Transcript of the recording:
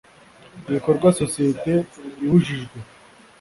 ibikorwa sosiyete ibujijwe